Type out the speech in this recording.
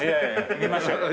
見ましょう。